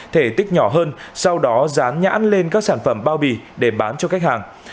thể tích nhỏ hơn sau đó dán nhãn lên các sản phẩm bao bì để bán cho khách hàng